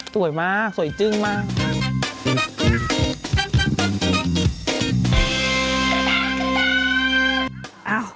สวยมากสวยจึ้งมาก